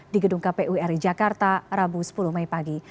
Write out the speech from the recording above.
di gedung kpu ri jakarta rabu sepuluh mei pagi